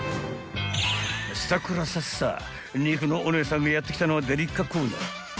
［すたこらさっさ肉のお姉さんがやって来たのはデリカコーナー］